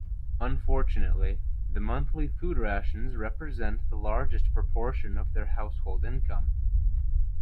Unfortunately, the monthly food rations represent the largest proportion of their household income.